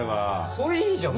それいいじゃん